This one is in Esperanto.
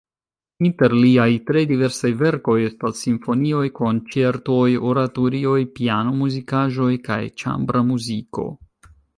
Inter liaj tre diversaj verkoj estas simfonioj, konĉertoj, oratorioj, piano-muzikaĵoj kaj ĉambra muziko.